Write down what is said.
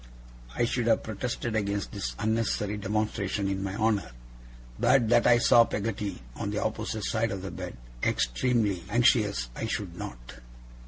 I should have protested against this unnecessary demonstration in my honour, but that I saw Peggotty, on the opposite side of the bed, extremely anxious I should not.